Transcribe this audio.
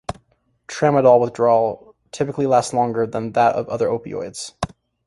Tramadol withdrawal typically lasts longer than that of other opioids.